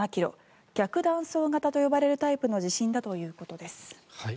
逆断層型と呼ばれるタイプの地震だということです。